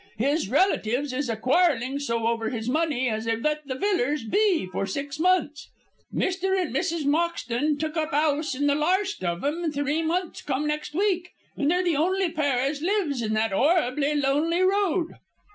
His relatives is a quarrelling so over his money as they've let the villers be for six months. Mr. and Mrs. Moxton took up 'ouse in the larst of 'em three months come next week, and they're the only pair as lives in that 'orrible lonely road."